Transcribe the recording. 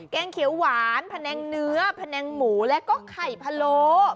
งเขียวหวานแผนงเนื้อแผนงหมูแล้วก็ไข่พะโล